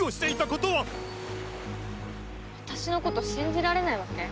私のこと信じられないわけ？